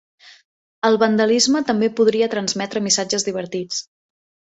El vandalisme també podria transmetre missatges divertits!